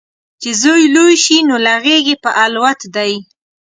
چې زوی لوی شي، نو له غیږې په الوت دی